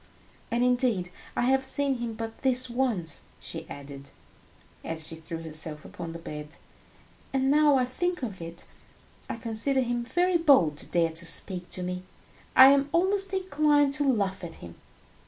And indeed, I have seen him but this once," she added, as she threw herself upon the bed, "and now I think of it, I consider him very bold to dare to speak to me. I am almost inclined to laugh at him.